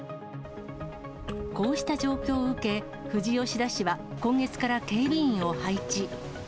こうした状況を受け、富士吉田市は、今月から警備員を配置。